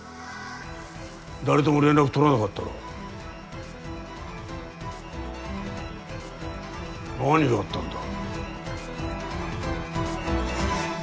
誰とも連絡取らなかったろ何があったんだ？